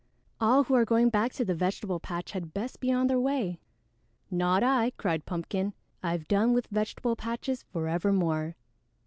All who are going back to the vegetable patch had best be on their way." "Not I!" cried Pumpkin. "I've done with vegetable patches forevermore."